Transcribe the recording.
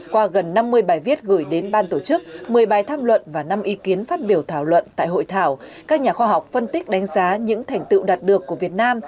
qua gần năm mươi bài viết gửi đến ban tổ chức một mươi bài tham luận và năm ý kiến phát biểu thảo luận tại hội thảo các nhà khoa học phân tích đánh giá những thành tựu đạt được của việt nam